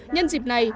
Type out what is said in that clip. nhân dịp này